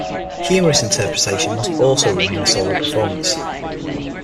Humorous Interpretation must also remain a solo performance.